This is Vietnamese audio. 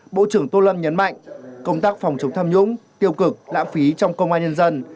bộ trưởng tô lâm nhấn mạnh công tác phòng chống tham nhũng tiêu cực lãng phí trong công an nhân dân